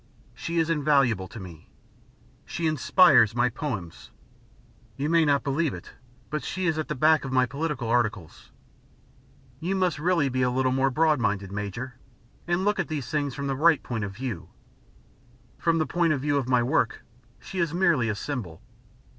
She is invaluable to me. She inspires my poems. You may not believe it, but she is at the back of my political articles. You must really be a little more broad minded, Major, and look at these things from the right point of view. From the point of view of my work, she is merely a symbol."